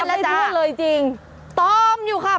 นับไม่ทวนเลยจริงต้อมอยู่ค่ะ